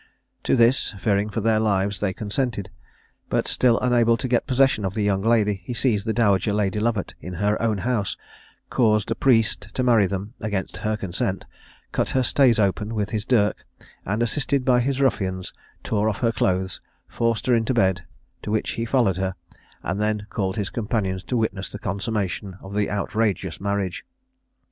To this, fearing for their lives, they consented; but still unable to get possession of the young lady, he seized the dowager Lady Lovat in her own house, caused a priest to marry them against her consent, cut her stays open with his dirk, and, assisted by his ruffians, tore off her clothes, forced her into bed, to which he followed her, and then called his companions to witness the consummation of the outrageous marriage.